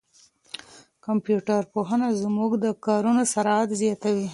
کمپيوټر پوهنه زموږ د کارونو سرعت زیاتوي.